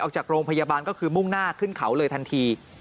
ออกจากโรงพยาบาลก็คือมุ่งหน้าขึ้นเขาเลยทันที